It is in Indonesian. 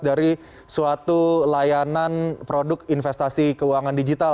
dari suatu layanan produk investasi keuangan digital